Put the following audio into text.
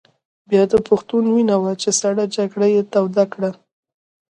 بیا د پښتون وینه وه چې سړه جګړه یې توده کړه.